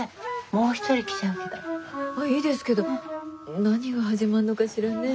いいですけど何が始まるのかしらね。ねぇ。